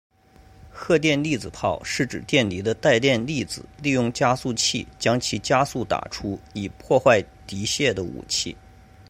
荷电粒子炮是指电离的带电粒子利用加速器将其加速打出以其破坏敌械的武器。